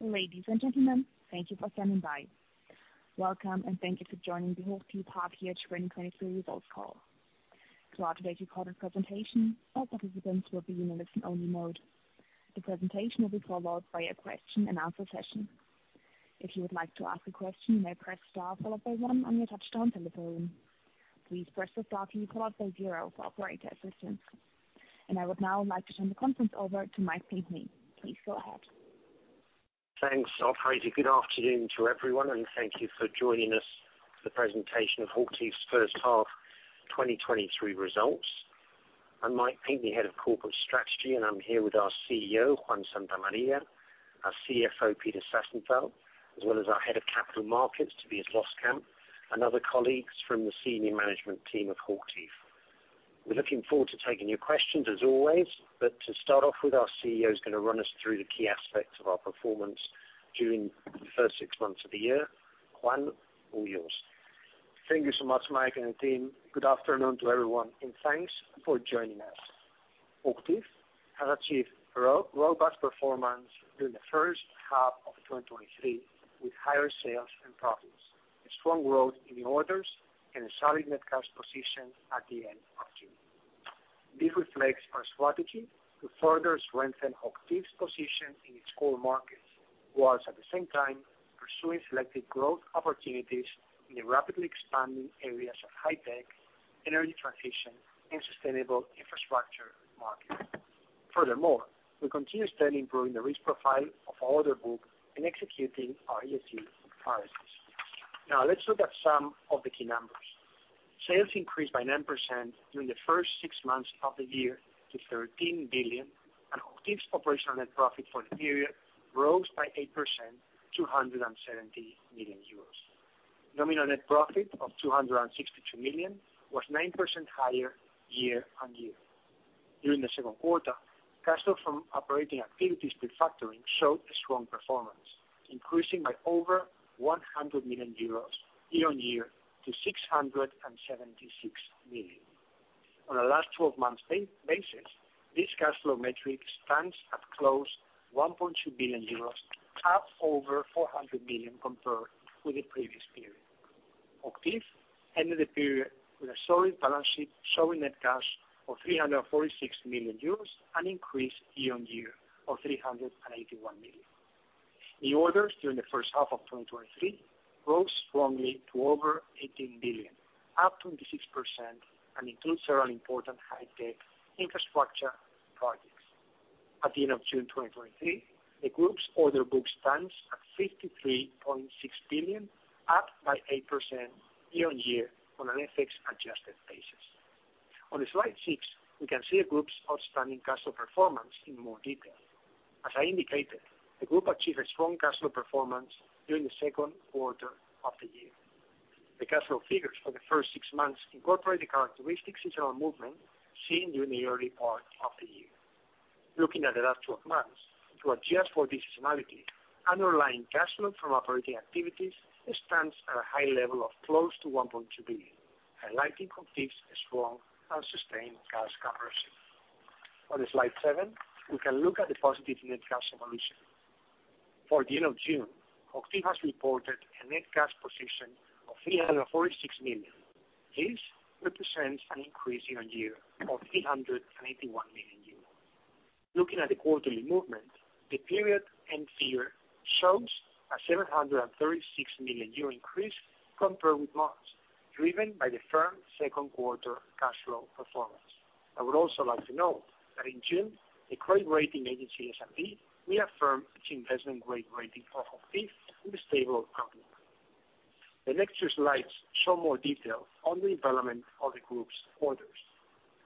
Ladies and gentlemen, thank you for standing by. Welcome, and thank you for joining the HOCHTIEF half year 2023 results call. Throughout today's recorded presentation, all participants will be in a listen-only mode. The presentation will be followed by a question and answer session. If you would like to ask a question, you may press star followed by one on your touchtone telephone. Please press the star key followed by 0 for operator assistance. I would now like to turn the conference over to Mike Pinkney. Please go ahead. Thanks, operator. Good afternoon to everyone, thank you for joining us for the presentation of HOCHTIEF's first half 2023 results. I'm Mike Pinkney, Head of Corporate Strategy, and I'm here with our CEO, Juan Santamaria, our CFO, Peter Sassenfeld, as well as our Head of Capital Markets, Tobias Loskamp, and other colleagues from the senior management team of HOCHTIEF. We're looking forward to taking your questions as always, but to start off with, our CEO is going to run us through the key aspects of our performance during the first 6 months of the year. Juan, all yours. Thank you so much, Mike and the team. Good afternoon to everyone, and thanks for joining us. HOCHTIEF has achieved a robust performance during the first half of 2023, with higher sales and profits, a strong growth in the orders, and a solid net cash position at the end of June. This reflects our strategy to further strengthen HOCHTIEF's position in its core markets, while at the same time pursuing selective growth opportunities in the rapidly expanding areas of high tech, energy transition, and sustainable infrastructure markets. We continue steadily improving the risk profile of our order book and executing our ESG priorities. Let's look at some of the key numbers. Sales increased by 9% during the first six months of the year to 13 billion, and HOCHTIEF's operational net profit for the period rose by 8% to 170 million euros. Nominal net profit of 262 million was 9% higher year-on-year. During the second quarter, cash flow from operating activities to factoring showed a strong performance, increasing by over 100 million euros year-on-year to 676 million. On a last twelve-month basis, this cash flow metric stands at close to 1.2 billion euros, up over 400 million compared with the previous period. HOCHTIEF ended the period with a solid balance sheet, showing net cash of 346 million euros, an increase year-on-year of 381 million. New orders during the first half of 2023 rose strongly to over 18 billion, up 26%. Includes several important high-tech infrastructure projects. At the end of June 2023, the group's order book stands at 53.6 billion, up by 8% year-on-year on an FX adjusted basis. On slide 6, we can see the group's outstanding cash flow performance in more detail. As I indicated, the group achieved a strong cash flow performance during the second quarter of the year. The cash flow figures for the first 6 months incorporate the characteristics seasonal movement seen during the early part of the year. Looking at the last 12 months, to adjust for this seasonality, underlying cash flow from operating activities stands at a high level of close to 1.2 billion, highlighting HOCHTIEF's strong and sustained cash conversion. On slide 7, we can look at the positive net cash evolution. For the end of June, HOCHTIEF has reported a net cash position of 346 million. This represents an increase year-on-year of 381 million euros. Looking at the quarterly movement, the period end figure shows a 736 million increase compared with last, driven by the firm's second quarter cash flow performance. I would also like to note that in June, the credit rating agency, S&P, reaffirmed its investment grade rating of HOCHTIEF with a stable outlook. The next few slides show more detail on the development of the group's orders.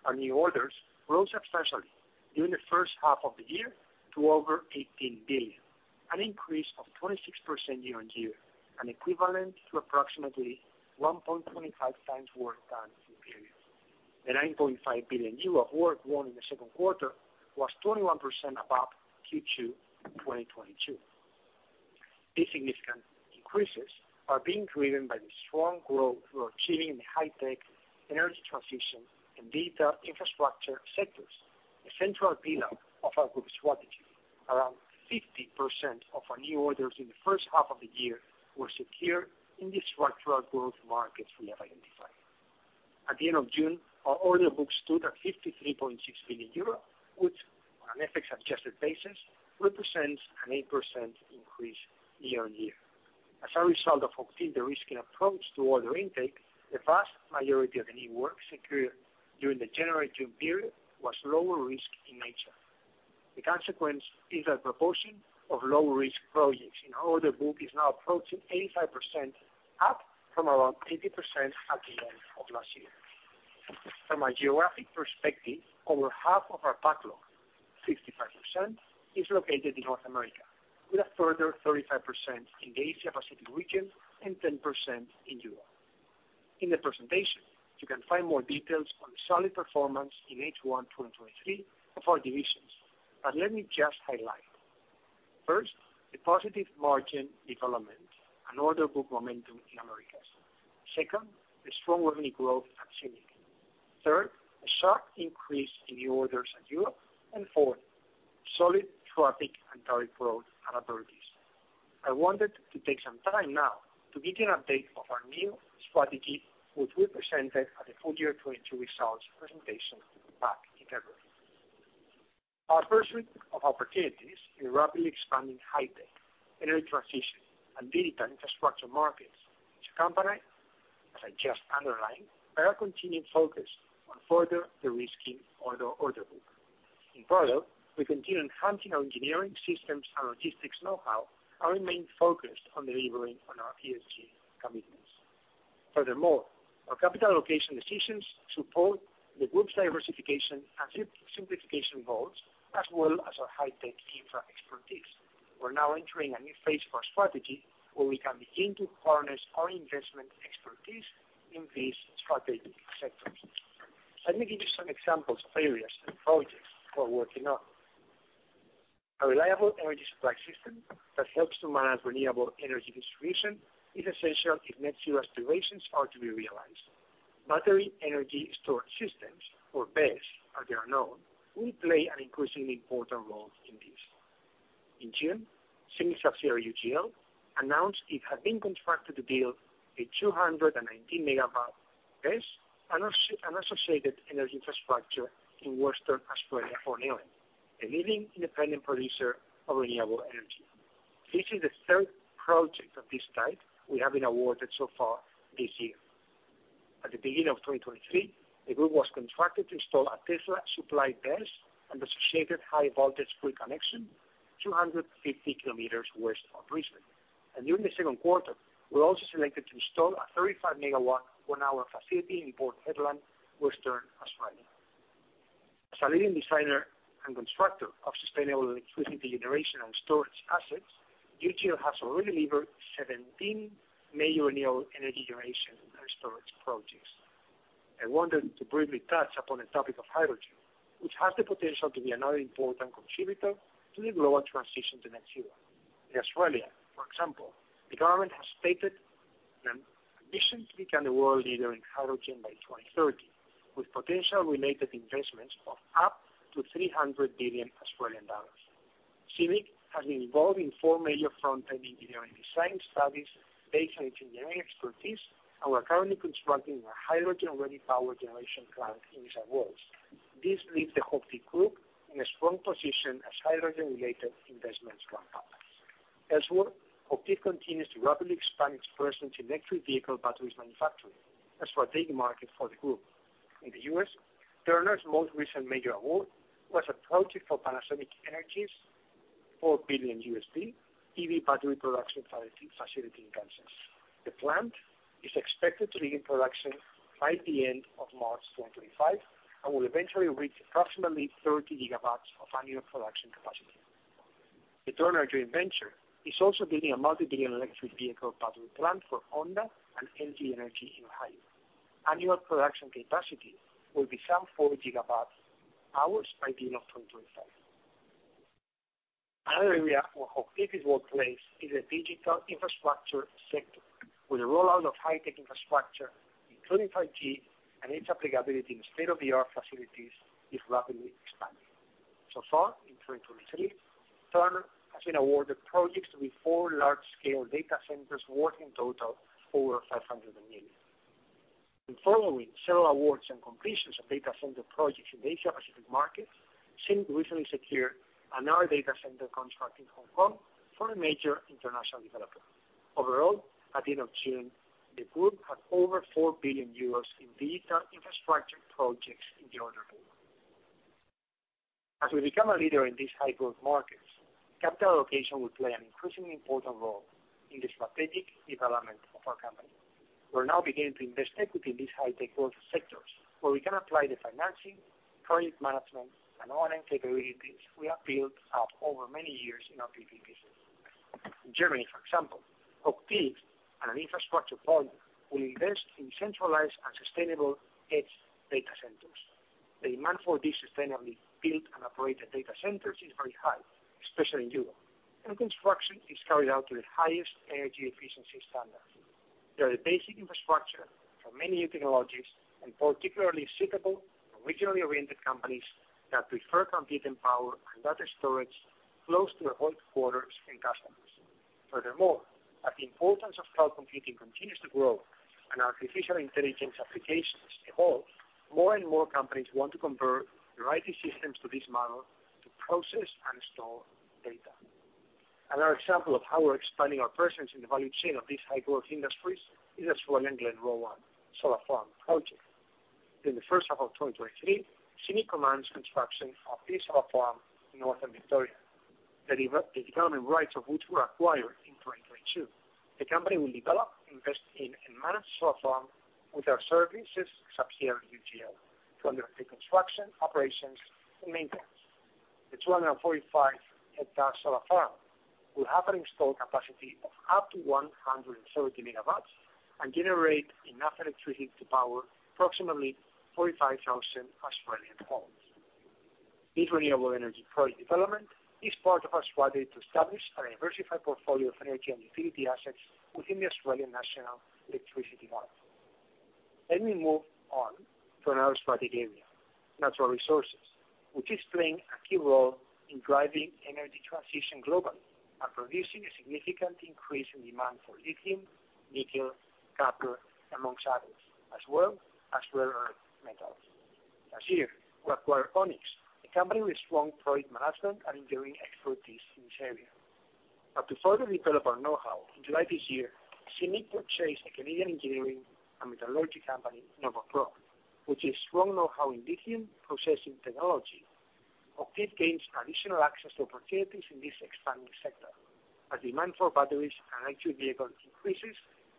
Our new orders rose substantially during the first half of the year to over 18 billion, an increase of 26% year-on-year, and equivalent to approximately 1.25 times work done in the period. The 9.5 billion euro of work won in the second quarter was 21% above Q2 2022. These significant increases are being driven by the strong growth we are seeing in the high tech, energy transition, and data infrastructure sectors, a central pillar of our group's strategy. Around 50% of our new orders in the first half of the year were secured in the structural growth markets we have identified. At the end of June, our order book stood at 53.6 billion euros, which on an FX adjusted basis, represents an 8% increase year-over-year. As a result of HOCHTIEF's de-risking approach to order intake, the vast majority of the new work secured during the January-June period was lower risk in nature. The consequence is that proportion of low-risk projects in our order book is now approaching 85%, up from around 80% at the end of last year. From a geographic perspective, over half of our backlog, 65%, is located in North America, with a further 35% in the Asia Pacific region and 10% in Europe. In the presentation, you can find more details on the solid performance in H1 2023 of our divisions, but let me just highlight. First, the positive margin development and order book momentum in Americas. Second, the strong organic growth at CIMIC. Third, a sharp increase in new orders in Europe. Fourth, solid traffic and tariff growth at Abertis. I wanted to take some time now to give you an an update of our new strategy, which we presented at the full year 2022 results presentation back in February. Our pursuit of opportunities in rapidly expanding high-tech, energy transition, and digital infrastructure markets, to accompany, as I just underlined, by our continued focus on further de-risking order book. In parallel, we continue enhancing our engineering systems and logistics know-how, and remain focused on delivering on our ESG commitments. Furthermore, our capital allocation decisions support the group's diversification and simplification goals, as well as our high tech infra expertise. We're now entering a new phase of our strategy, where we can begin to harness our investment expertise in these strategic sectors. Let me give you some examples of areas and projects we're working on. A reliable energy supply system that helps to manage renewable energy distribution is essential if net zero aspirations are to be realized. Battery energy storage systems, or BESS, as they are known, will play an increasingly important role in this. In June, CIMIC subsidiary, UGL, announced it had been contracted to build a 219 MW BESS and associated energy infrastructure in Western Australia for Neoen, a leading independent producer of renewable energy. This is the third project of this type we have been awarded so far this year. At the beginning of 2023, the group was contracted to install a Tesla-supplied BESS and associated high voltage grid connection, 250 km west of Brisbane. During the second quarter, we're also selected to install a 35 MW 1-hour facility in Port Hedland, Western Australia. As a leading designer and constructor of sustainable electricity generation and storage assets, UGL has already delivered 17 major renewable energy generation and storage projects. I wanted to briefly touch upon the topic of hydrogen, which has the potential to be another important contributor to the global transition to net zero. In Australia, for example, the government has stated their ambition to become the world leader in hydrogen by 2030, with potential related investments of up to 300 billion Australian dollars. CIMIC has been involved in four major front-end engineering design studies based on engineering expertise, and we're currently constructing a hydrogen-ready power generation plant in Western Australia. This leaves the HOCHTIEF Group in a strong position as hydrogen-related investments ramp up. Elsewhere, HOCHTIEF continues to rapidly expand its presence in electric vehicle batteries manufacturing. That's a big market for the group. In the U.S., Turner's most recent major award was a project for Panasonic Energy's $4 billion EV battery production facility in Kansas. The plant is expected to be in production by the end of March 2025, and will eventually reach approximately 30 gigawatts of annual production capacity. The Turner joint venture is also building a multi-billion electric vehicle battery plant for Honda and LG Energy in Ohio. Annual production capacity will be some 40 gigabytes hours by the end of 2025. Another area where HOCHTIEF is well placed is the digital infrastructure sector, where the rollout of high tech infrastructure, including 5G and its applicability in state-of-the-art facilities, is rapidly expanding. Far, in 2023, Turner has been awarded projects with 4 large-scale data centers worth in total over $500 million. In following several awards and completions of data center projects in the Asia Pacific market, CIMIC recently secured another data center contract in Hong Kong for a major international developer. Overall, at the end of June, the group had over 4 billion euros in digital infrastructure projects in the order book. As we become a leader in these high-growth markets, capital allocation will play an increasingly important role in the strategic development of our company. We're now beginning to invest equity in these high-tech growth sectors, where we can apply the financing, project management, and operating capabilities we have built up over many years in our PPP business. In Germany, for example, HOCHTIEF and an infrastructure partner will invest in centralized and sustainable EDGE data centers. The demand for these sustainably built and operated data centers is very high, especially in Europe, and construction is carried out to the highest energy efficiency standards. They are the basic infrastructure for many new technologies, particularly suitable for regionally oriented companies that prefer competing power and data storage close to their headquarters and customers. As the importance of cloud computing continues to grow and artificial intelligence applications evolve, more and more companies want to convert their IT systems to this model to process and store data. Another example of how we're expanding our presence in the value chain of these high-growth industries is the Glenrowan Solar Farm project. In the first half of 2023, CIMIC commenced construction of this solar farm in Northern Victoria. The development rights of which were acquired in 2022. The company will develop, invest in, and manage solar farm with our services subsidiary, UGL, to undertake construction, operations, and maintenance. The 245 hectare solar farm will have an installed capacity of up to 130 megawatts and generate enough electricity to power approximately 45,000 Australian homes. This renewable energy project development is part of our strategy to establish a diversified portfolio of energy and utility assets within the Australian National Electricity Market. Let me move on to another strategic area, natural resources, which is playing a key role in driving energy transition globally and producing a significant increase in demand for lithium, nickel, copper, amongst others, as well as rare earth metals. Last year, we acquired OnneX, a company with strong project management and engineering expertise in this area. To further develop our know-how, in July this year, CIMIC purchased a Canadian engineering and metallurgy company, NOVOPro, which is strong know-how in lithium processing technology. HOCHTIEF gains additional access to opportunities in this expanding sector. As demand for batteries and electric vehicles increases,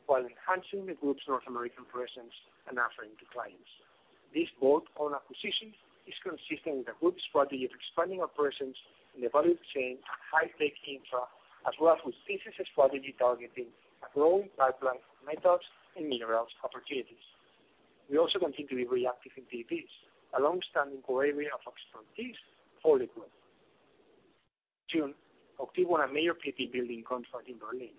while enhancing the group's North American presence and offering to clients. This bolt-on acquisition is consistent with the group's strategy of expanding operations in the value chain and high-tech infra, as well as with CIMIC's strategy targeting a growing pipeline of metals and minerals opportunities. We also continue to be reactive in PPPs, a long-standing core area of expertise for the group. June, HOCHTIEF won a major PP building contract in Berlin.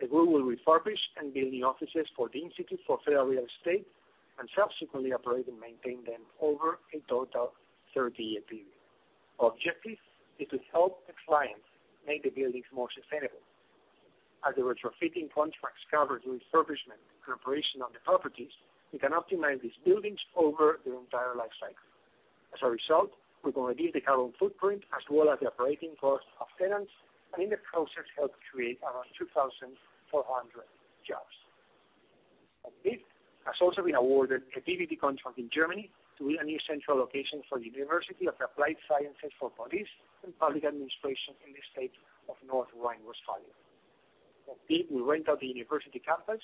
The group will refurbish and build the offices for the Institute for Federal Real Estate, and subsequently operate and maintain them over a total 30-year period. Our objective is to help the clients make the buildings more sustainable. As the retrofitting contracts cover the refurbishment and operation of the properties, we can optimize these buildings over their entire life cycle. As a result, we're going to reduce the carbon footprint as well as the operating costs of tenants, and in the process, help create around 2,400 jobs. HOCHTIEF has also been awarded a PPD contract in Germany to lease a new central location for the University of Applied Sciences for Police and Public Administration in the state of North Rhine-Westphalia. HOCHTIEF will rent out the university campus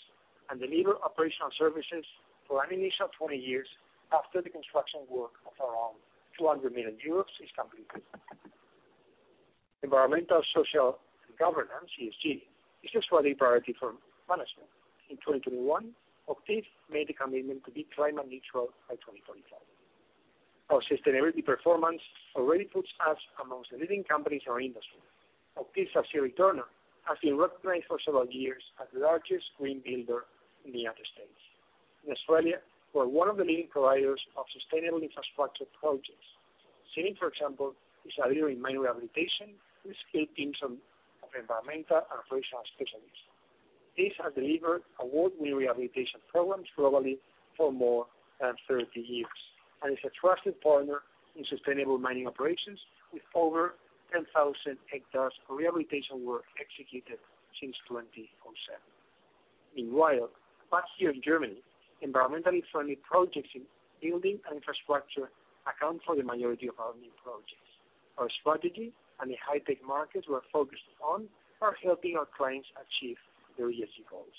and deliver operational services for an initial 20 years after the construction work of around 200 million euros is completed. Environmental, social and governance, ESG, is a strategy priority for management. In 2021, HOCHTIEF made the commitment to be climate neutral by 2045. Our sustainability performance already puts us amongst the leading companies in our industry. HOCHTIEF subsidiary, Turner, has been recognized for several years as the largest green builder in the United States. In Australia, we're one of the leading providers of sustainable infrastructure projects. CIMIC, for example, is a leader in mine rehabilitation, with skilled teams of environmental and operational specialists. These have delivered award-winning rehabilitation programs globally for more than 30 years, and is a trusted partner in sustainable mining operations, with over 10,000 hectares of rehabilitation work executed since 2007. Meanwhile, back here in Germany, environmentally friendly projects in building and infrastructure account for the majority of our new projects. Our strategy and the high-tech markets we're focused on are helping our clients achieve their ESG goals.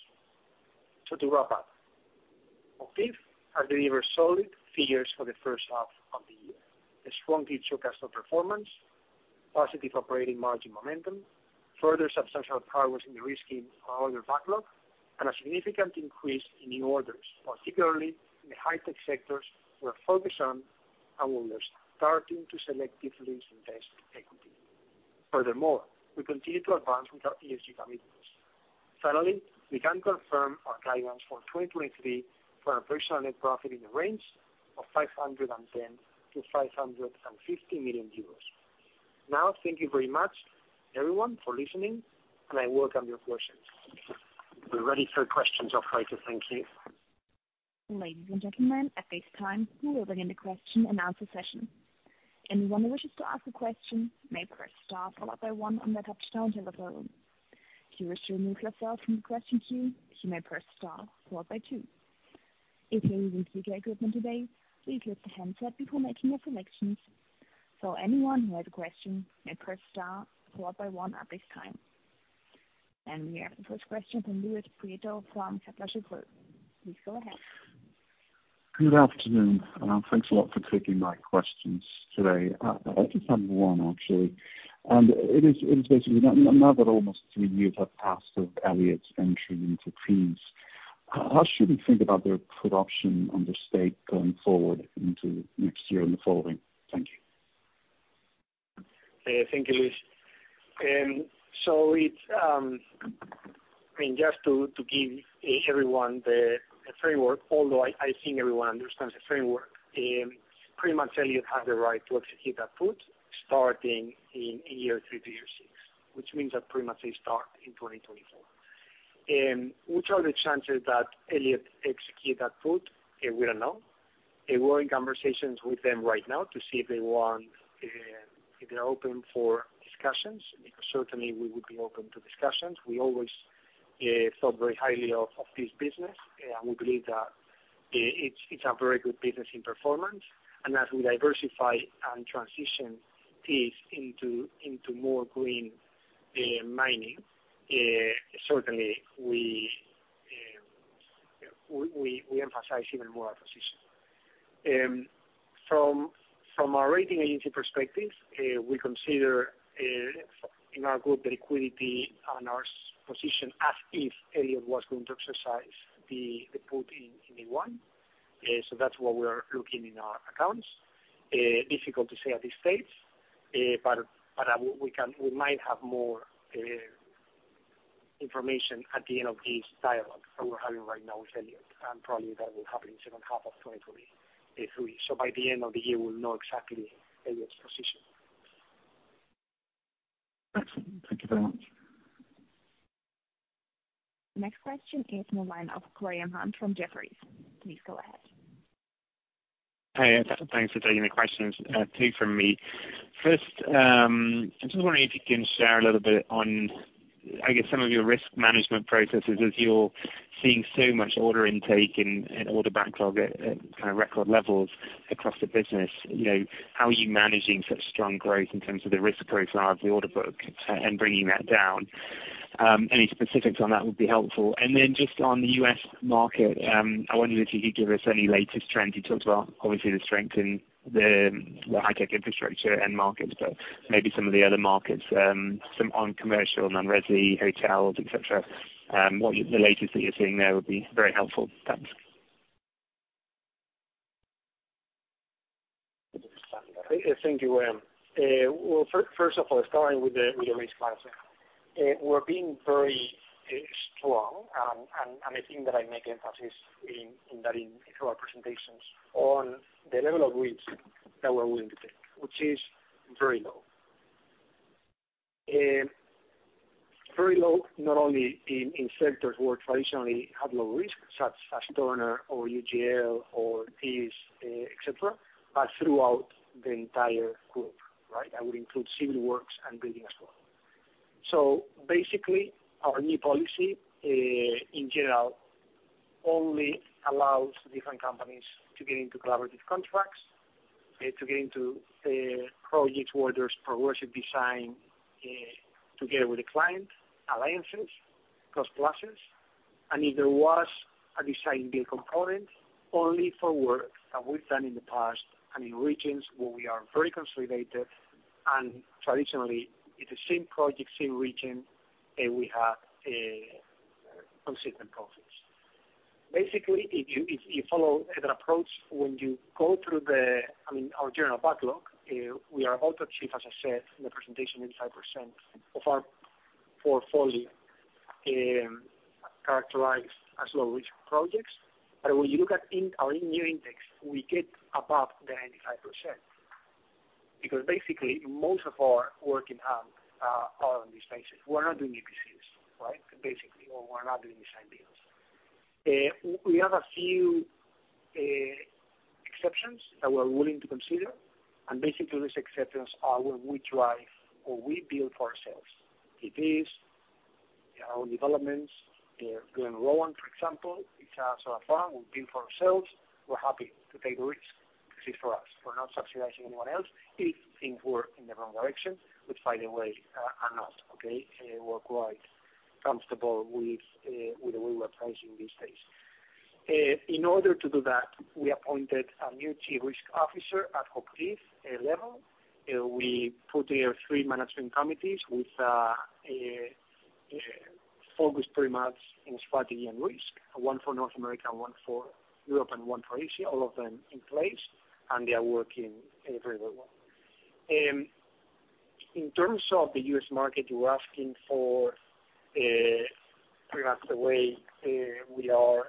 To wrap up, HOCHTIEF has delivered solid figures for the first half of the year. A strong future customer performance, positive operating margin momentum, further substantial progress in the risking of our order backlog, and a significant increase in new orders, particularly in the high-tech sectors we're focused on and where we are starting to selectively raise investment equity. Furthermore, we continue to advance with our ESG commitments. Finally, we can confirm our guidance for 2023 for our personal net profit in the range of 510 million-550 million euros. Thank you very much, everyone, for listening, and I welcome your questions. We're ready for questions, operator. Thank you. Ladies and gentlemen, at this time, we will begin the question-and-answer session. Anyone who wishes to ask a question may press star followed by one on their touchtone telephone. If you wish to remove yourself from the question queue, you may press star followed by two. If you're using speaker equipment today, please lift the handset before making your selections. Anyone who has a question may press star followed by one at this time. We have the first question from Luis Prieto from Kepler Cheuvreux. Please go ahead. Good afternoon, thanks a lot for taking my questions today. I just have one, actually, and it is basically now that almost three years have passed since Elliott's entry into Thiess, how should we think about their production on the stake going forward into next year and the following? Thank you. Thank you, Luis. I mean, just to give everyone the framework, although I think everyone understands the framework, pretty much Elliott has the right to execute that put, starting in year three to year six, which means that pretty much they start in 2024. Which are the chances that Elliott execute that put? We don't know. We're in conversations with them right now to see if they want, if they're open for discussions, because certainly we would be open to discussions. We always thought very highly of this business, and we believe that it's a very good business in performance. As we diversify and transition this into more green mining, certainly we emphasize even more our position. From a rating agency perspective, we consider in our group, the liquidity and our position as if Elliott was going to exercise the put in May 1. That's what we are looking in our accounts. Difficult to say at this stage, but we might have more information at the end of this dialogue that we're having right now with Elliott, and probably that will happen in second half of 2023. By the end of the year, we'll know exactly Elliott's position. Excellent. Thank you very much. Next question is from the line of Graham Hunt from Jefferies. Please go ahead. Hi, thanks for taking the questions, two from me. First, I'm just wondering if you can share a little bit on, I guess, some of your risk management processes as you're seeing so much order intake and order backlog at kind of record levels across the business. You know, how are you managing such strong growth in terms of the risk profile of the order book, and bringing that down? Any specifics on that would be helpful. Just on the U.S. market, I wonder if you could give us any latest trends. You talked about obviously the strength in the high tech infrastructure end markets, but maybe some of the other markets, some on commercial, non-resi, hotels, et cetera. What the latest that you're seeing there would be very helpful. Thanks. Thank you, Graham. Well, first of all, starting with the risk management. We're being very strong, and I think that I make emphasis in that in through our presentations on the level of risk that we're willing to take, which is very low. Very low, not only in sectors where traditionally have low risk, such as Turner or UGL or Thiess, et cetera, but throughout the entire group, right? That would include civil works and building as well. Basically, our new policy, in general, only allows different companies to get into collaborative contracts, to get into, project orders or workshop design, together with the client, alliances, cost pluses, and if there was a design build component, only for work that we've done in the past and in regions where we are very consolidated and traditionally, it's the same project, same region, and we have consistent profits. Basically, if you follow that approach, when you go through the, our general backlog, we are about to achieve, as I said, in the presentation, 85% of our portfolio, characterized as low risk projects. When you look at our new index, we get above the 95%. Basically, most of our work in hand are on these bases. We're not doing EPCs, right? Basically, we're not doing design builds. We have a few exceptions that we're willing to consider. These exceptions are when we drive or we build for ourselves. It is our own developments. Glenrowan, for example, it's a sort of farm we build for ourselves. We're happy to take the risk. This is for us. We're not subsidizing anyone else. If things were in the wrong direction, we'd find a way. We're quite comfortable with the way we're approaching these days. In order to do that, we appointed a new chief risk officer at corporate level. We put their 3 management committees with focused pretty much in strategy and risk, one for North America, one for Europe, and one for Asia, all of them in place, they are working very well. In terms of the U.S. market, you are asking for perhaps the way we are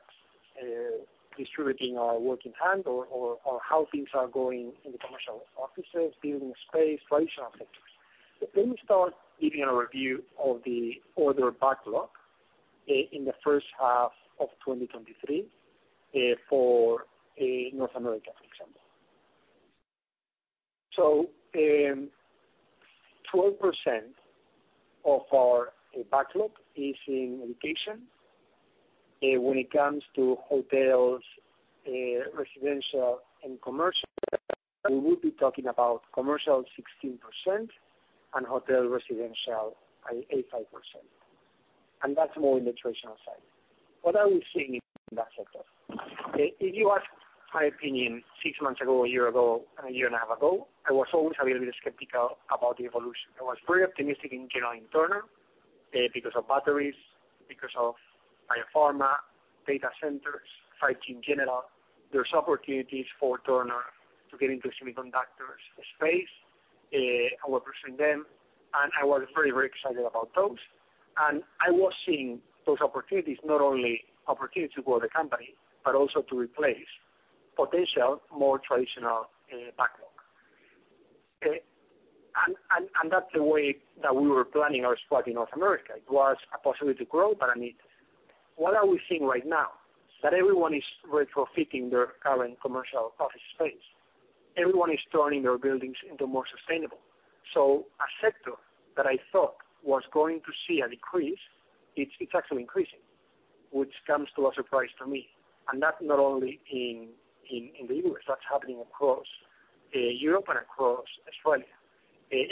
distributing our work in hand or how things are going in the commercial offices, building space, traditional sectors. Let me start giving a review of the order backlog in the first half of 2023 for North America, for example. 12% of our backlog is in education. When it comes to hotels, residential, and commercial, we will be talking about commercial 16% and hotel residential 85%. That's more in the traditional side. What are we seeing in that sector? If you ask my opinion, six months ago, a year ago, and a year and a half ago, I was always a little bit skeptical about the evolution. I was very optimistic in general in Turner, because of batteries, because of biopharma, data centers, 5G in general. There's opportunities for Turner to get into semiconductors space, I will present them. I was very, very excited about those. I was seeing those opportunities, not only opportunities to grow the company, but also to replace potential more traditional backlog. That's the way that we were planning our spot in North America. It was a possibility to grow. I mean, what are we seeing right now? That everyone is retrofitting their current commercial office space. Everyone is turning their buildings into more sustainable. A sector that I thought was going to see a decrease, it's actually increasing, which comes to a surprise to me. Not only in the US, that's happening across Europe and across Australia.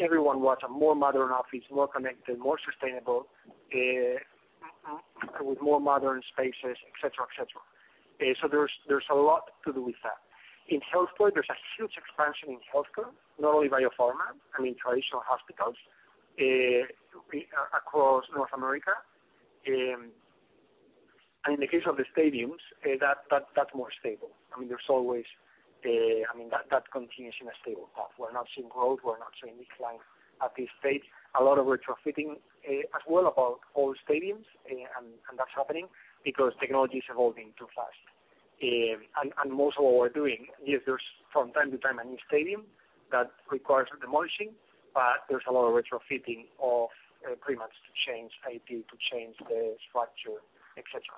Everyone wants a more modern office, more connected, more sustainable, with more modern spaces, et cetera, et cetera. There's a lot to do with that. In healthcare, there's a huge expansion in healthcare, not only biopharma, I mean, traditional hospitals across North America. In the case of the stadiums, that's more stable. I mean, there's always, I mean, that continues in a stable path. We're not seeing growth, we're not seeing decline at this stage. A lot of retrofitting as well about old stadiums, that's happening because technology is evolving too fast. Most of all we're doing is there's from time to time, a new stadium that requires demolishing, but there's a lot of retrofitting of pretty much to change IT, to change the structure, et cetera.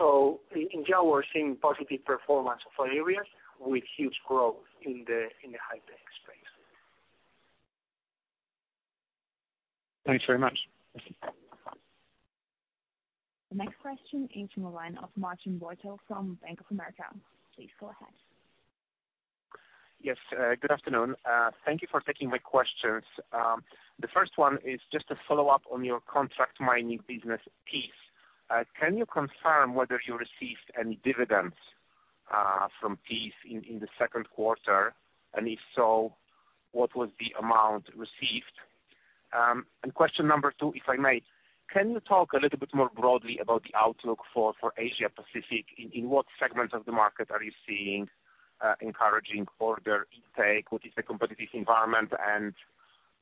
In general, we're seeing positive performance for all areas with huge growth in the high tech space. Thanks very much. The next question is from the line of Marcin Wojtal from Bank of America. Please go ahead. Yes, good afternoon. Thank you for taking my questions. The first one is just a follow-up on your contract mining business piece. Can you confirm whether you received any dividends from Thiess in the second quarter? If so, what was the amount received? Question number two, if I may. Can you talk a little bit more broadly about the outlook for Asia Pacific? In what segments of the market are you seeing encouraging order intake? What is the competitive environment?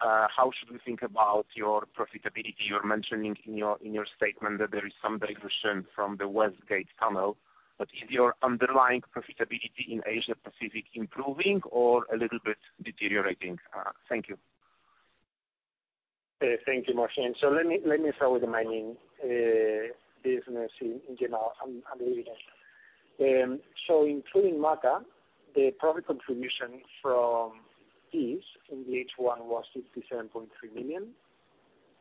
How should we think about your profitability? You're mentioning in your statement that there is some regression from the Westgate tunnel, but is your underlying profitability in Asia Pacific improving or a little bit deteriorating? Thank you. Thank you, Marcin. Let me start with the mining business in general. Including MACA, the profit contribution from Peace in H1 was 67.3 million,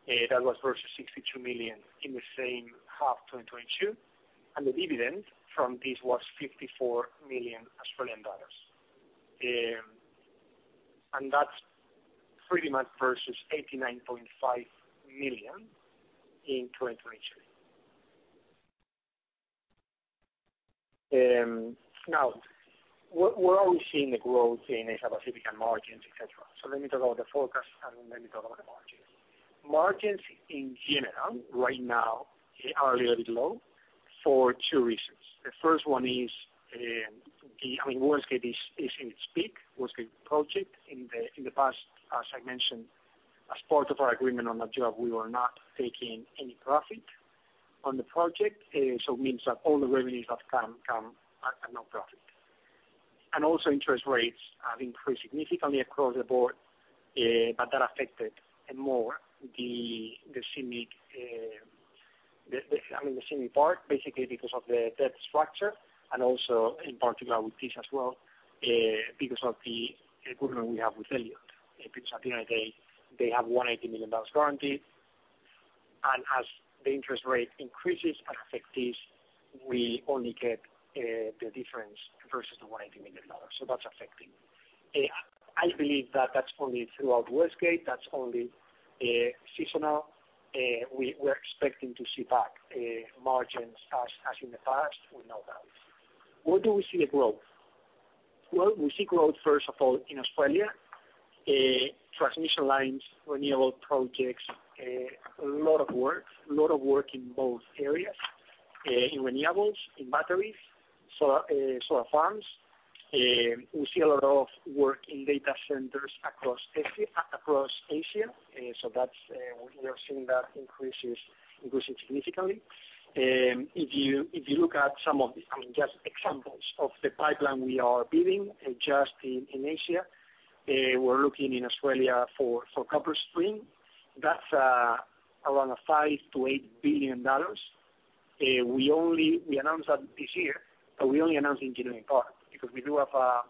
that was versus 62 million in the same half, 2022, and the dividend from this was 54 million Australian dollars. That's pretty much versus 89.5 million in 2022. We're always seeing the growth in Asia Pacific and margins, et cetera. Let me talk about the forecast and let me talk about the margins. Margins in general, right now, are a little bit low for two reasons. The first one is, Westgate is in its peak, Westgate project. In the past, as I mentioned, as part of our agreement on the job, we were not taking any profit on the project. So it means that all the revenues that come at no profit. Also interest rates have increased significantly across the board, but that affected more the CIMIC, the, I mean, the CIMIC part, basically because of the debt structure and also in particular with Thiess as well, because of the agreement we have with Elliott. At the end of the day, they have $180 million guaranteed, and as the interest rate increases and affect Thiess, we only get the difference versus the $180 million. That's affecting. I believe that that's only throughout Westgate, that's only seasonal. We're expecting to see back margins as in the past, we know that. Where do we see the growth? We see growth, first of all, in Australia, transmission lines, renewable projects, a lot of work in both areas, in renewables, in batteries, solar farms. We see a lot of work in data centers across Asia. That's, we are seeing that increasing significantly. If you look at some of the, I mean, just examples of the pipeline we are building just in Asia, we're looking in Australia for CopperString. That's, around $5 billion-$8 billion. We only... We announced that this year, but we only announced the engineering part, because we do have a,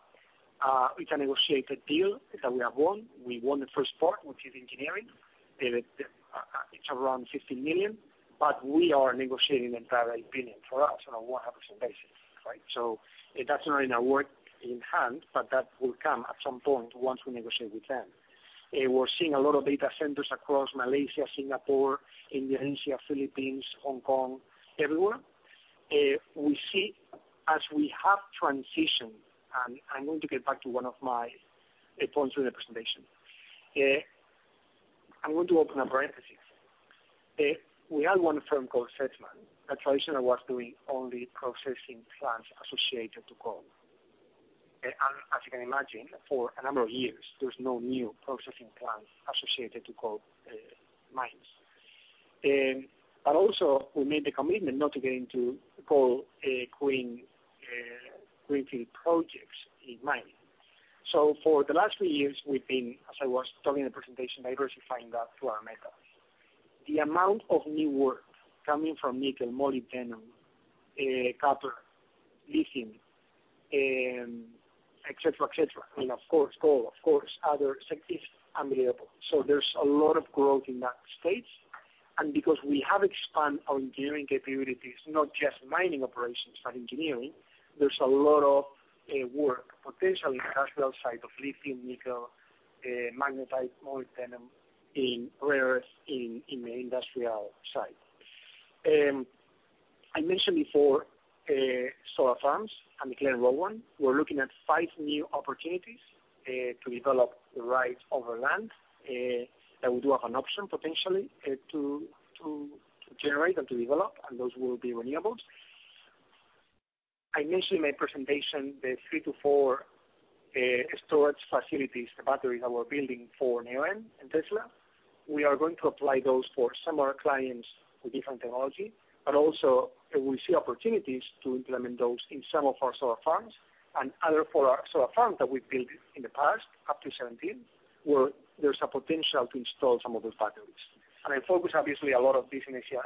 it's a negotiated deal that we have won. We won the first part, which is engineering. It's around 50 million, but we are negotiating the entire opinion for us on a 100% basis, right? That's not in our work in hand, but that will come at some point once we negotiate with them. We're seeing a lot of data centers across Malaysia, Singapore, Indonesia, Philippines, Hong Kong, everywhere. We see as we have transitioned, and I'm going to get back to one of my points in the presentation. I'm going to open a parenthesis. We had one firm called Sedgman, that traditionally was doing only processing plants associated to coal. As you can imagine, for a number of years, there's no new processing plants associated to coal mines. Also, we made the commitment not to get into coal green greenfield projects in mining. For the last few years, we've been, as I was talking in the presentation, diversifying that through our methods. The amount of new work coming from nickel, molybdenum, copper, lithium, et cetera, et cetera, and of course, coal, of course, other sectors, is unbelievable. There's a lot of growth in that space. Because we have expanded our engineering capabilities, not just mining operations, but engineering, there's a lot of work, potentially industrial side of lithium, nickel, magnetite, molybdenum, in rare earth, in the industrial side. I mentioned before, solar farms and Glenrowan. We're looking at five new opportunities to develop the right of our land that we do have an option potentially to generate and to develop, and those will be renewables. I mentioned in my presentation the 3-4 storage facilities, the batteries that we're building for Neoen and Tesla. We are going to apply those for some of our clients with different technology, but also we see opportunities to implement those in some of our solar farms. Other for our solar farms that we've built in the past, up to 17, where there's a potential to install some of those batteries. I focus obviously a lot of this in Asia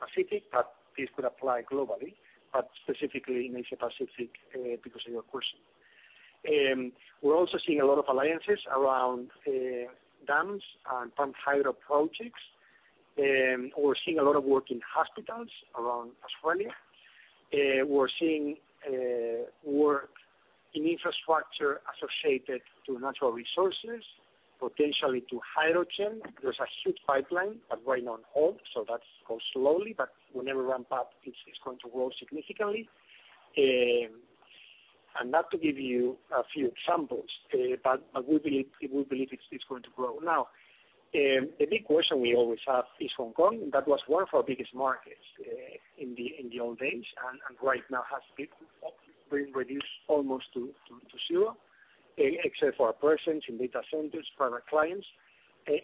Pacific, but this could apply globally, but specifically in Asia Pacific because of your question. We're also seeing a lot of alliances around dams and pumped hydro projects. We're seeing a lot of work in hospitals around Australia. We're seeing work in infrastructure associated to natural resources, potentially to hydrogen. There's a huge pipeline, but right now on hold, so that goes slowly, but whenever we ramp up, it's going to grow significantly. That to give you a few examples, but we believe it's going to grow. The big question we always have is Hong Kong. That was one of our biggest markets in the old days, and right now has been reduced almost to zero, except for our presence in data centers for our clients.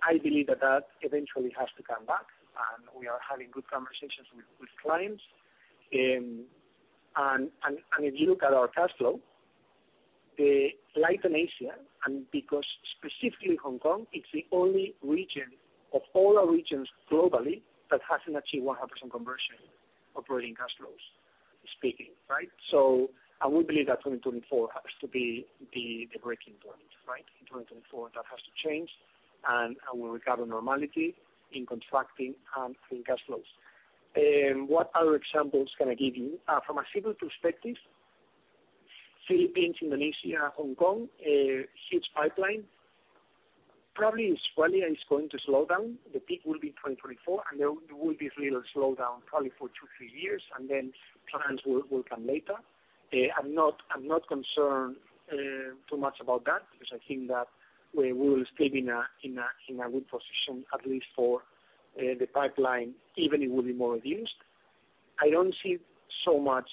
I believe that that eventually has to come back, and we are having good conversations with clients. If you look at our cash flow, the life in Asia, and because specifically Hong Kong, it's the only region of all our regions globally that hasn't achieved 100% conversion operating cash flows speaking, right? I would believe that 2024 has to be the breaking point, right? In 2024, that has to change, and we recover normality in contracting and in cash flows. What other examples can I give you? From a civil perspective, Philippines, Indonesia, Hong Kong, a huge pipeline. Probably Australia is going to slow down. The peak will be 2024, and there will be a little slowdown probably for 2, 3 years, and then clients will come later. I'm not concerned too much about that because I think that we will still be in a good position, at least for the pipeline, even it will be more reduced. I don't see so much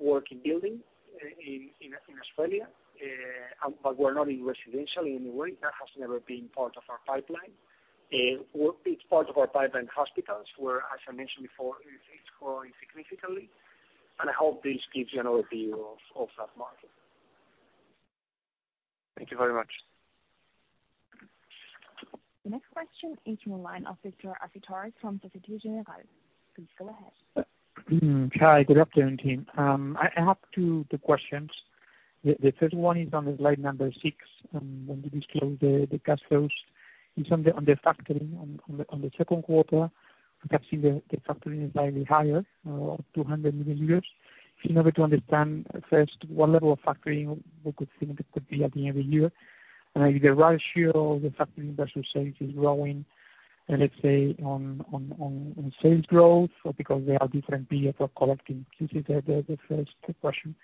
work in building in Australia, but we're not in residential in any way. That has never been part of our pipeline. Big part of our pipeline hospitals, where, as I mentioned before, it's growing significantly, and I hope this gives you an overview of that market. Thank you very much. The next question is from the line of Victor Acitores from Société Générale. Please go ahead. Hi, good afternoon, team. I have two questions. The first one is on slide number 6, when you disclose the cash flows, is on the factoring, on the second quarter, I can see the factoring is slightly higher, 200 million euros. In order to understand first, what level of factoring we could think it could be at the end of the year, and if the ratio of the factoring versus sales is growing, let's say, on sales growth, or because there are different periods of collecting. This is the first question.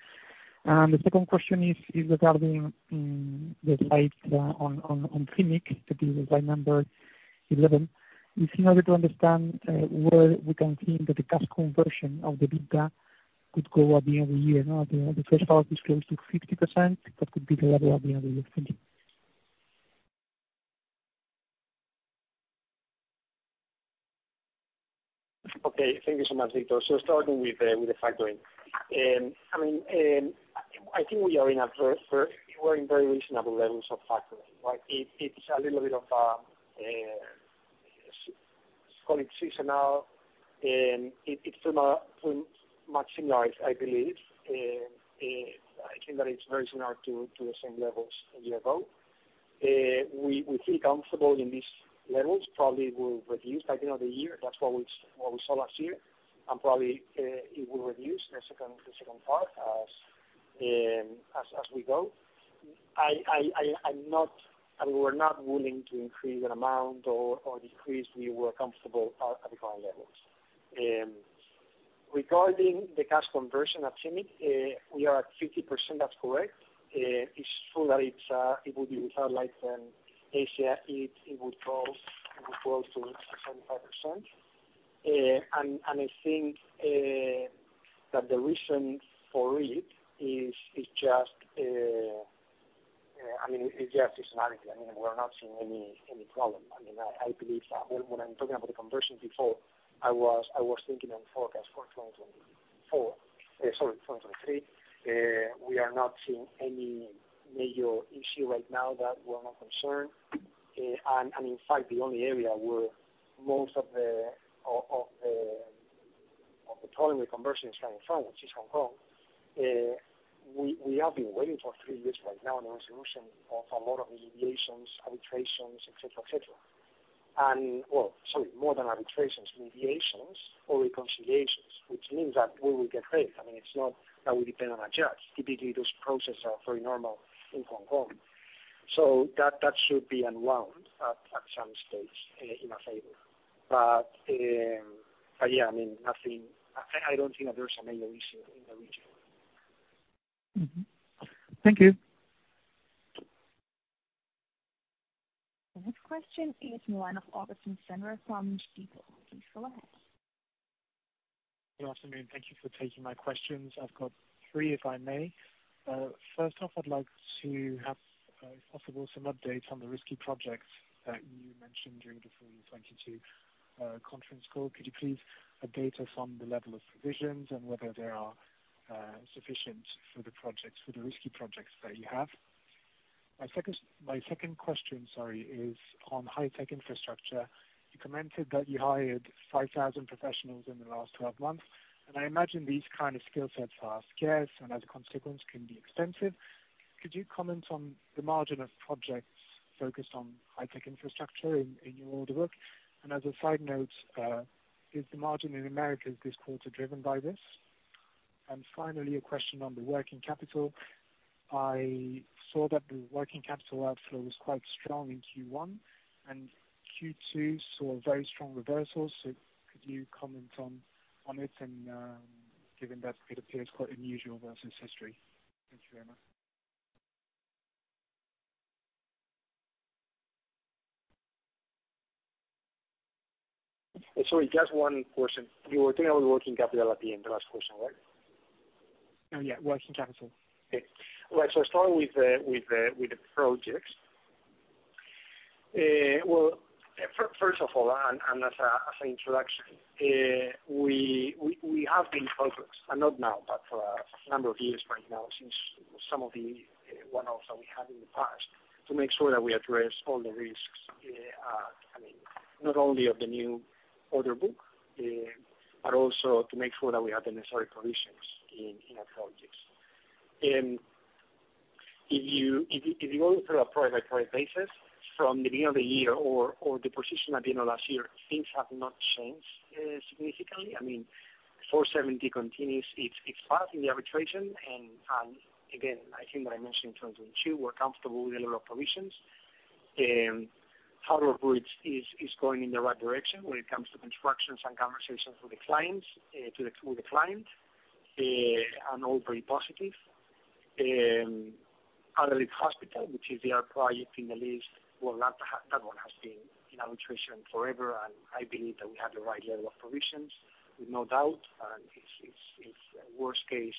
The second question is regarding the slides on CIMIC, it will be slide number 11. Is in order to understand, where we can think that the cash conversion of the EBITDA could go at the end of the year, now the first half is close to 50%, what could be the level at the end of the 20? Okay. Thank you so much, Victor. Starting with the factoring. I mean, I think we're in very reasonable levels of factoring, right? It's a little bit of call it seasonal, it's pretty much similar, I believe. I think that it's very similar to the same levels a year ago. We feel comfortable in these levels. Probably will reduce by the end of the year. That's what we saw last year, and probably it will reduce the second part as we go. I mean, we're not willing to increase an amount or decrease. We were comfortable at the current levels. Regarding the cash conversion at CIMIC, we are at 50%, that's correct. It's true that it's, it would be without like Asia, it would fall to 75%. I think that the reason for it is, I mean, it's just seasonality. I mean, we're not seeing any problem. I mean, I believe that when I'm talking about the conversion before, I was thinking on the forecast for 2024, sorry, 2023. We are not seeing any major issue right now that we're not concerned. In fact, the only area where most of the problem with conversion is coming from, which is Hong Kong, we have been waiting for three years right now on the resolution of a lot of litigations, arbitrations, et cetera. Well, sorry, more than arbitrations, mediations or reconciliations, which means that we will get paid. I mean, it's not that we depend on a judge. Typically, those processes are very normal in Hong Kong, so that should be unwound at some stage in our favor. Yeah, I mean, nothing. I don't think that there's a major issue in the region. Mm-hmm. Thank you. The next question is the line of Augustin Bernert from Jefferies. Please go ahead. Good afternoon. Thank you for taking my questions. I've got three, if I may. First off, I'd like to have, if possible, some updates on the risky projects that you mentioned during the full 2022 conference call. Could you please update us on the level of provisions and whether they are sufficient for the projects, for the risky projects that you have? My second question, sorry, is on high-tech infrastructure. You commented that you hired 5,000 professionals in the last 12 months, and I imagine these kind of skill sets are scarce and as a consequence, can be expensive. Could you comment on the margin of projects focused on high-tech infrastructure in your order book? As a side note, is the margin in Americas this quarter driven by this? Finally, a question on the working capital. I saw that the working capital outflow was quite strong in Q1, and Q2 saw a very strong reversal. Could you comment on it, given that it appears quite unusual versus history? Thank you very much. Sorry, just one question. You were talking about working capital at the end, the last question, right? Yeah, working capital. Okay. Well, starting with the projects. Well, first of all, and as an introduction, we have been focused, and not now, but for a number of years by now, since some of the one-offs that we had in the past, to make sure that we address all the risks, I mean, not only of the new order book, but also to make sure that we have the necessary provisions in our projects. If you go through a project-by-project basis from the beginning of the year or the position at the end of last year, things have not changed significantly. I mean, A470 continues. It's fast in the arbitration. Again, I think that I mentioned in 2022, we're comfortable with the level of provisions. Harbor Bridge is going in the right direction when it comes to constructions and conversations with the clients, to the with the client, and all very positive. Adelaide Hospital, which is the other project in the list, well, that one has been in arbitration forever. I believe that we have the right level of provisions, with no doubt, and if worst case,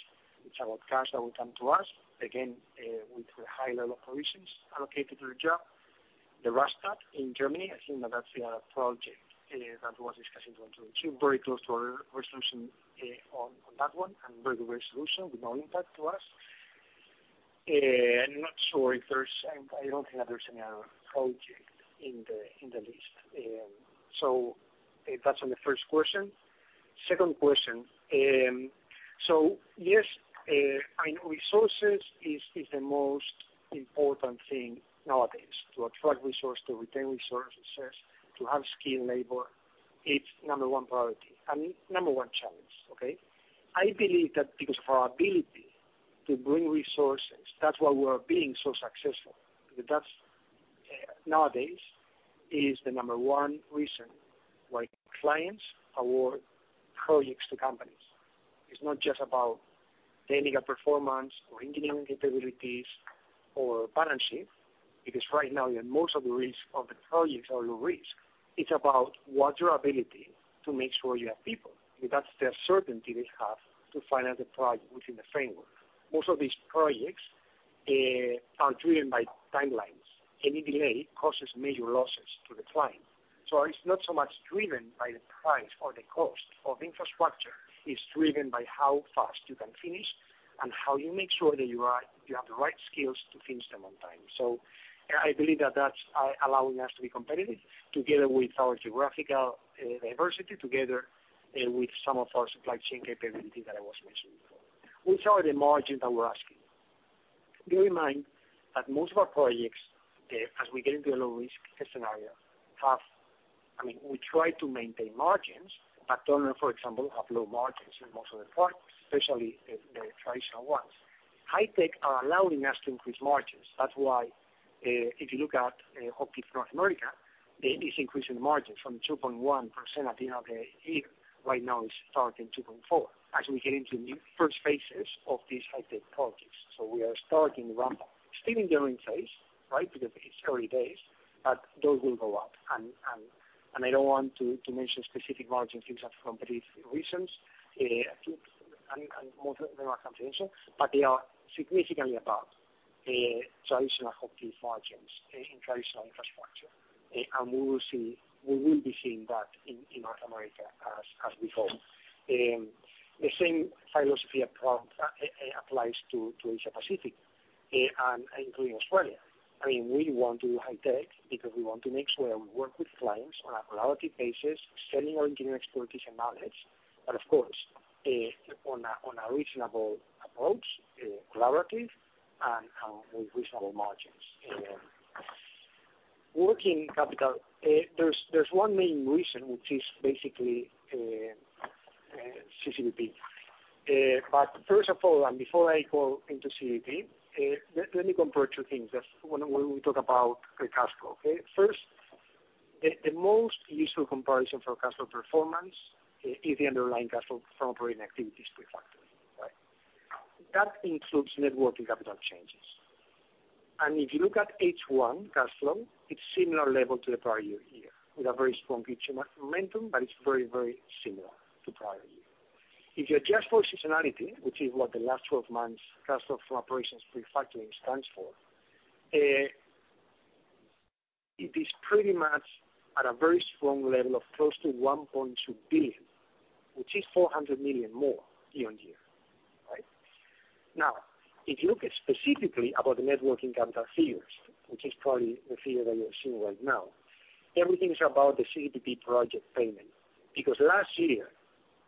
it's about cash that will come to us, again, with a high level of provisions allocated to the job. The Rastatt in Germany, I think that that's the other project, that was discussed in 2022. Very close to a resolution on that one, and very good resolution with no impact to us. I don't think that there's any other project in the list. That's on the first question. Second question, yes, I know resources is the most important thing nowadays, to attract resource, to retain resources, to have skilled labor. It's number one priority and number one challenge, okay? I believe that because of our ability to bring resources, that's why we are being so successful, because that's nowadays, is the number one reason why clients award projects to companies. It's not just about technical performance or engineering capabilities or balance sheet, because right now, most of the risk of the projects are low risk. It's about what's your ability to make sure you have people, because that's the certainty they have to finance the project within the framework. Most of these projects are driven by timelines. Any delay causes major losses to the client. It's not so much driven by the price or the cost of infrastructure, it's driven by how fast you can finish and how you make sure that you have the right skills to finish them on time. I believe that that's allowing us to be competitive together with our geographical diversity, together with some of our supply chain capability that I was mentioning before. Which are the margins that we're asking? Bear in mind that most of our projects as we get into a low-risk scenario, have... I mean, we try to maintain margins, but don't, for example, have low margins in most of the projects, especially the traditional ones. High-tech are allowing us to increase margins. That's why, if you look at HOCHTIEF Americas, it is increasing the margin from 2.1% at the end of the year. Right now, it's starting 2.4%. As we get into the new first phases of these high-tech projects, we are starting ramp up, still in the early phase, right, because it's early days, but those will go up. I don't want to mention specific margins things are for competitive reasons, I think, more than our competition, but they are significantly above traditional HOCHTIEF margins in traditional infrastructure. We will be seeing that in North America as before. The same philosophy applies to Asia Pacific, including Australia. I mean, we want to do high tech because we want to make sure we work with clients on a collaborative basis, selling our engineering expertise and knowledge. Of course, on a reasonable approach, collaborative and with reasonable margins. Working capital, there's one main reason, which is basically CCBP. First of all, before I go into CCBP, let me compare 2 things, just when we talk about the cash flow, okay? First, the most useful comparison for cash flow performance is the underlying cash flow from operating activities pre-factoring, right? That includes networking capital changes. If you look at H1 cash flow, it's similar level to the prior year, with a very strong Q2 momentum, but it's very, very similar to prior year. If you adjust for seasonality, which is what the last 12 months cash flow from operations pre-factoring stands for, it is pretty much at a very strong level of close to 1.2 billion, which is 400 million more year-on-year, right? Now, if you look specifically about the net working capital figures, which is probably the figure that you're seeing right now, everything is about the CCBP project payment. Last year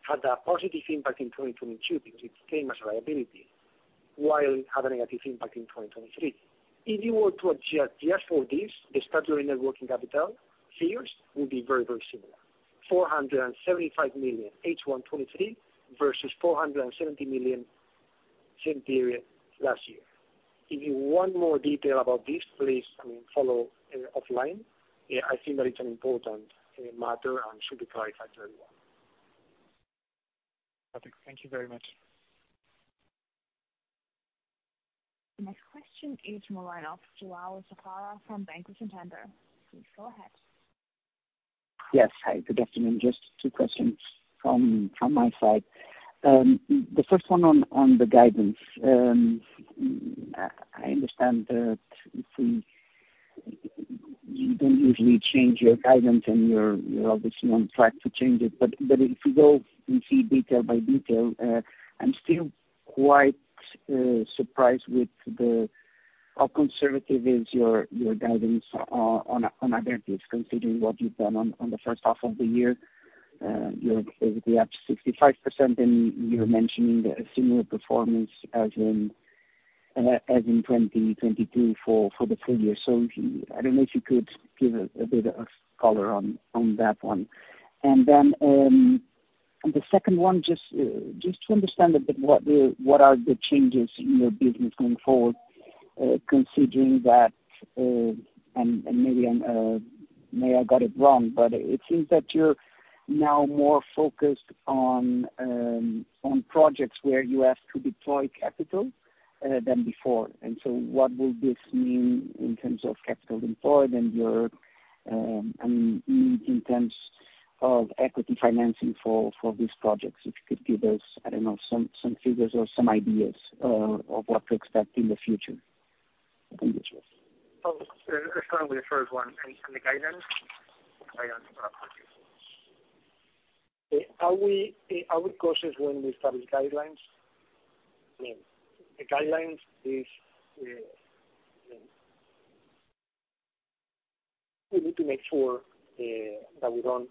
had a positive impact in 2022, because it came as a liability, while had a negative impact in 2023. If you were to adjust just for this, the statutory net working capital figures will be very, very similar. 475 million H1 2023 versus 470 million same period last year. If you want more detail about this, please, I mean, follow offline. Yeah, I think that it's an important matter and should be clarified very well. Perfect. Thank you very much. The next question is from the line of João Safara from Banco Santander. Please go ahead. Yes. Hi, good afternoon. Just two questions from my side. The first one on the guidance. I understand that you don't usually change your guidance, and you're obviously on track to change it. If you go and see detail by detail, I'm still quite surprised with how conservative is your guidance on EBITDA, considering what you've done on the first half of the year. You're obviously up 65%, and you're mentioning a similar performance as in 2022 for the full year. I don't know if you could give a bit of color on that one. On the second one, just to understand a bit what are the changes in your business going forward, considering that, and maybe I got it wrong, but it seems that you're now more focused on projects where you have to deploy capital than before. What will this mean in terms of capital deployed and your, I mean, in terms of equity financing for these projects, if you could give us, I don't know, some figures or some ideas of what to expect in the future? Thank you. Starting with the first one, on the guidance? I understand that. Are we cautious when we establish guidelines? Yes. The guidelines is, we need to make sure that we don't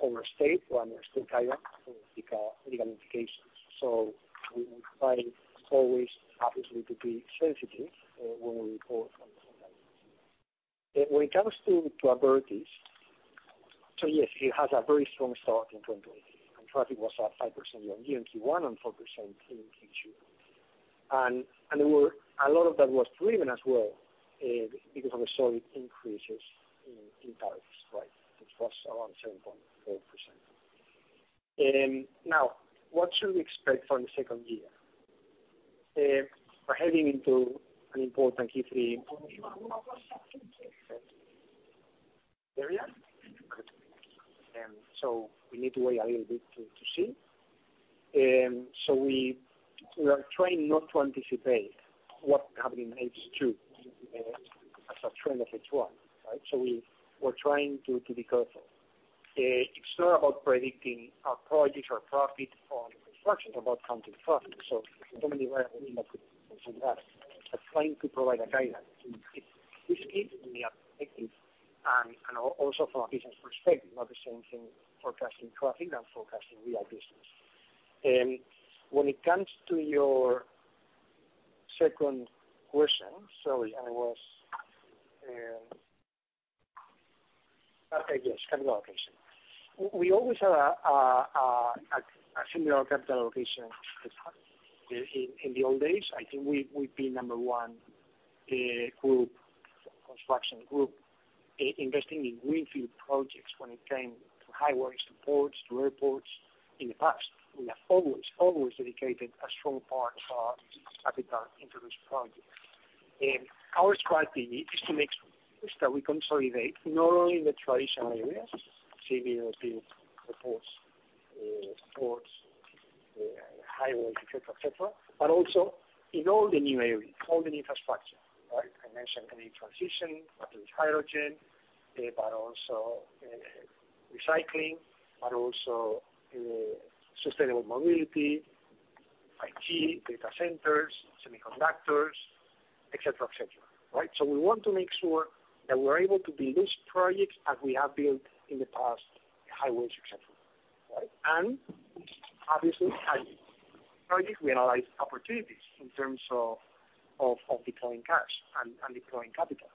overstate or understate guidance for legal implications. We try always, obviously, to be sensitive when we report on the guidelines. When it comes to Abertis, yes, it has a very strong start in 2022, and traffic was up 5% year-on-year, and 1.4% in H2. There were a lot of that was driven as well because of the solid increases in tariffs, right? Which was around 7.4%. Now, what should we expect from the second year? We're heading into an important Q3 area. We need to wait a little bit to see. We are trying not to anticipate what happened in H2 as a trend of H1, right? We're trying to be careful. It's not about predicting our projects or profit on construction, about counting profit. Tell me where we might put that. Trying to provide a guidance, this is the objective, and also from a business perspective, not the same thing, forecasting traffic and forecasting real business. When it comes to your second question, sorry, I was. Yes, capital allocation. We always have a similar capital allocation. In the old days, I think we've been number one group, construction group, investing in greenfield projects when it came to highways, to ports, to airports. In the past, we have always dedicated a strong part of our capital into this project. Our strategy is to make sure that we consolidate not only the traditional areas, CBMP, reports, ports, highway, et cetera, et cetera, but also in all the new areas, all the new infrastructure, right? I mentioned energy transition, but with hydrogen, but also recycling, but also sustainable mobility, data centers, semiconductors, et cetera, et cetera, right? We want to make sure that we're able to build these projects as we have built in the past, highways, et cetera, right? Obviously, projects, we analyze opportunities in terms of, of deploying cash and deploying capital.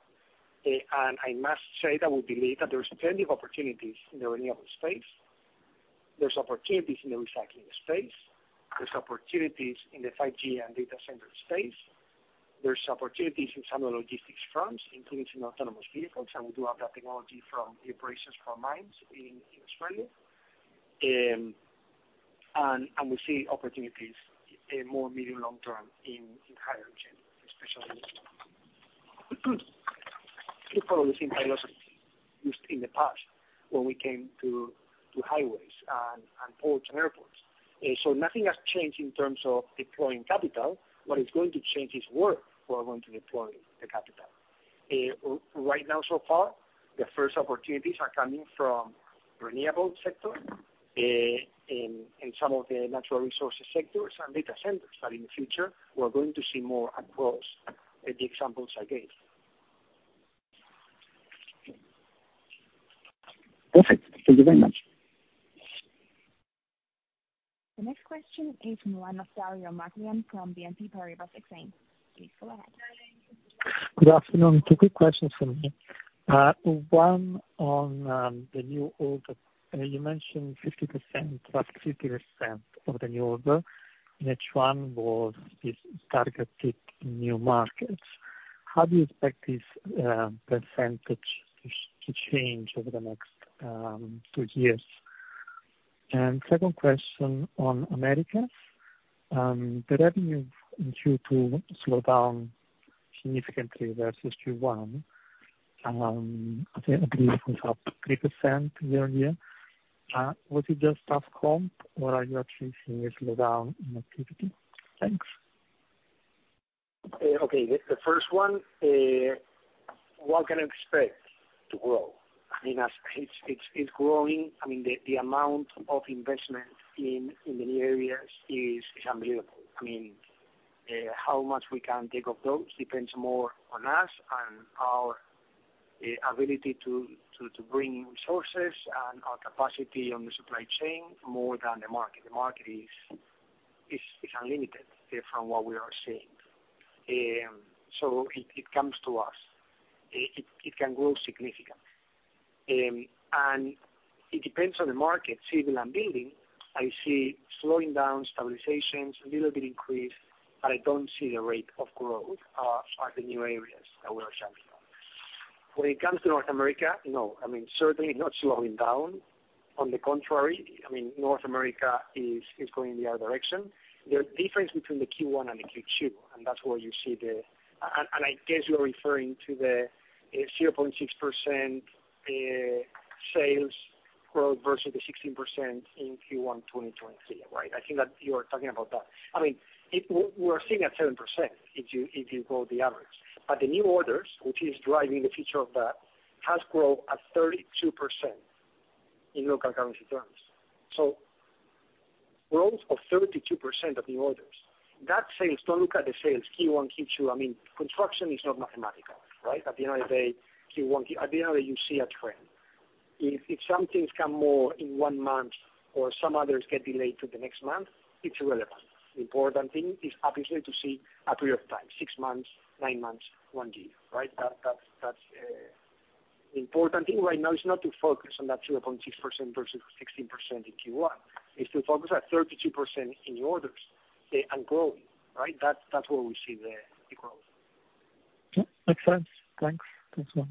I must say that we believe that there's plenty of opportunities in the renewable space. There's opportunities in the recycling space. There's opportunities in the 5G and data center space. There's opportunities in some of the logistics firms, including in autonomous vehicles, and we do have that technology from the operations from mines in Australia. We see opportunities in more medium, long term in hydrogen, especially. We follow the same philosophy used in the past when we came to highways and ports and airports. Nothing has changed in terms of deploying capital. What is going to change is where we're going to deploy the capital. Right now, so far, the first opportunities are coming from renewable sector, in some of the natural resources sectors and data centers, that in the future we're going to see more across the examples I gave. Perfect. Thank you very much. The next question is from Dario Maglione from BNP Paribas Exane. Please go ahead. Good afternoon. Two quick questions from me. One on the new order. You mentioned 50%, about 50% of the new order, which one was, is targeted new markets. How do you expect this percentage to change over the next two years? Second question on Americas. The revenue in Q2 slowed down significantly versus Q1. I think it was up 3% year-on-year. Was it just tough comp, or are you actually seeing a slowdown in activity? Thanks. Okay. The first one can expect to grow. I mean, as it's growing. I mean, the amount of investment in the new areas is unbelievable. I mean, how much we can take of those depends more on us and our ability to bring resources and our capacity on the supply chain more than the market. The market is unlimited from what we are seeing. It comes to us. It can grow significantly. It depends on the market. Civil and building, I see slowing down, stabilizations, a little bit increase, but I don't see the rate of growth as the new areas that we are jumping on. When it comes to North America, no, I mean, certainly not slowing down. On the contrary, I mean, North America is going in the other direction. The difference between the Q1 and the Q2, and that's where you see the and I guess you're referring to the 0.6% sales growth versus the 16% in Q1-2023, right? I think that you are talking about that. I mean, we're seeing at 7% if you go the average. The new orders, which is driving the future of that, has grown at 32% in local currency terms. Growth of 32% of the orders. That sales, don't look at the sales Q1, Q2. I mean, construction is not mathematical, right? At the end of the day, you see a trend. If some things come more in one month or some others get delayed to the next month, it's irrelevant. The important thing is obviously to see a period of time, 6 months, 9 months, 1 year, right? That's the important thing right now is not to focus on that 0.6% versus 16% in Q1, is to focus at 32% in new orders, and growing, right? That's where we see the growth. Okay. Makes sense. Thanks. Thanks a lot.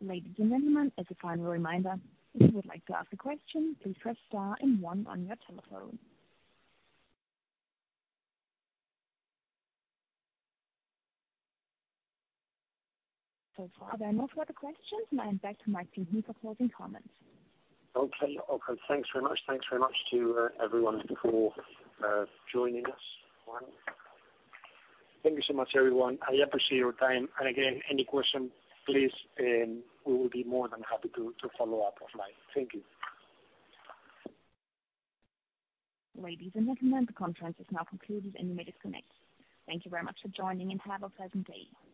Ladies and gentlemen, as a final reminder, if you would like to ask a question, please press star and one on your telephone. So far, there are no further questions. Now back to Mike for closing comments. Okay. Thanks very much to everyone for joining us, Juan. Thank you so much, everyone. I appreciate your time. Again, any question, please, we will be more than happy to follow up offline. Thank you. Ladies and gentlemen, the conference is now concluded, and you may disconnect. Thank you very much for joining, and have a pleasant day. Goodbye.